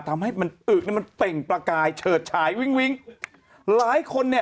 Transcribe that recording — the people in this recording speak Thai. ทำให้มันอึกแล้วมันเต่งปลากายเฉิดฉายวิ้งหลายคนเนี่ย